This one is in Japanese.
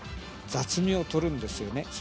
雑味を取るんですよね。